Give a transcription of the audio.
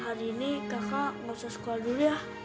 hari ini kakak gak usah sekolah dulu ya